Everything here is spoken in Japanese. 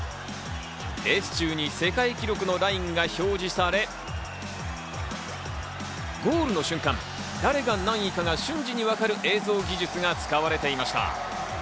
レース中に世界記録のラインが表示され、ゴールの瞬間、誰が何位かが瞬時に分かる映像技術が使われていました。